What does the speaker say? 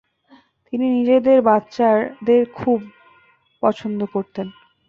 তিনি নিজের বাচ্চাদের খুব পছন্দ করতেন।